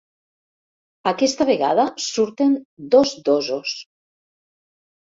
Aquesta vegada surten dos dosos.